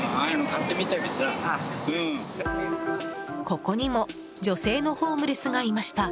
ここにも女性のホームレスがいました。